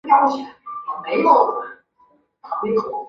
该物种的模式产地在西藏东部。